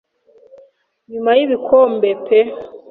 Nyuma y'ibikombe pe